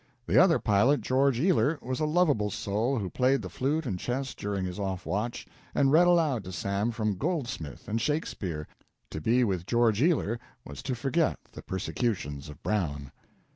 The other pilot, George Ealer, was a lovable soul who played the flute and chess during his off watch, and read aloud to Sam from "Goldsmith" and "Shakespeare." To be with George Ealer was to forget the persecutions of Brown.